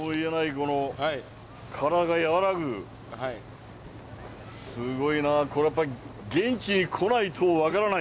この、体が和らぐ、すごいな、これやっぱり現地に来ないと分からない。